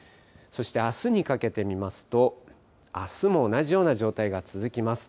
そしてあすにかけて見ますと、あすも同じような状態が続きます。